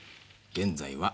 現在は妾。